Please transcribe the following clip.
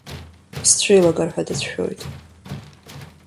Исцәеилагар-ҳәа дацәшәоит.